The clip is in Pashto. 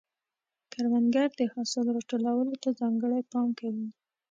کروندګر د حاصل راټولولو ته ځانګړی پام کوي